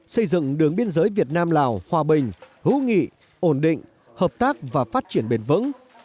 xây dựng đường biên giới việt nam lào hòa bình hữu nghị ổn định hợp tác và phát triển bền vững